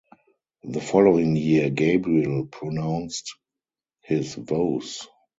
The following year Gabriel pronounced his vows.